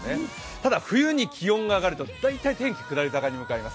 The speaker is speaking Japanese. ただ、冬に気温が上がると大体、天気、下り坂に向かいます。